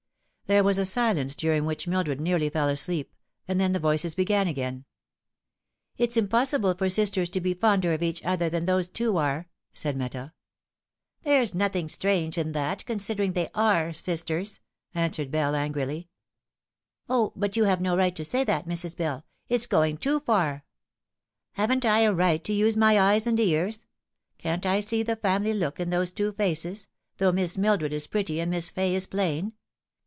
There was a silence during which Mildred nearly fell asleep ; and then the voices began again. " It's impossible for sisters to bo fonder of each other than those two are," said Meta. " There's nothing strange in that, considering they are sisters," answered Bell angrily. " O, but you've no right to say that, Mrs. Bell ; it's going too far." " Haven't I a right to use my eyes and ears ? Can't I see the family look in those two faces, though Miss Mildred is pretty and Miss Fay is plain